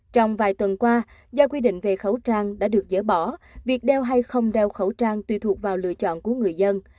trong vài tuần qua do quy định về khẩu trang đã được dỡ bỏ việc đeo hay không đeo khẩu trang tùy thuộc vào lựa chọn của người dân